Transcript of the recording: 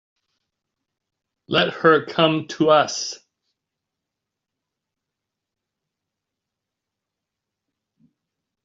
Let her come to us.